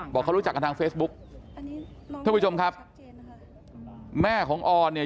บอกเขารู้จักกันทางเฟซบุ๊กท่านผู้ชมครับแม่ของออนเนี่ย